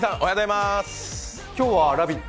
今日は「ラヴィット！」